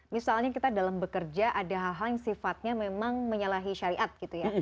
misalnya kita dalam bekerja ada hal hal yang sifatnya memang menyalahi syariat gitu ya